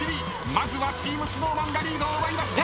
まずはチームＳｎｏｗＭａｎがリードを奪いました。